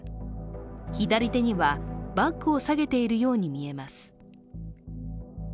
左手にはバッグをさげているように見えます。